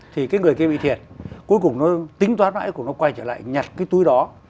thì cái người kia bị thiệt cuối cùng nó tính toán lãi của nó quay trở lại nhặt cái túi đó